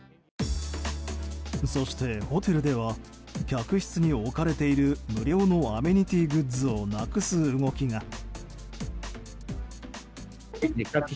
そして、ホテルでは客室に置かれている無料のアメニティーグッズをなくす動きが。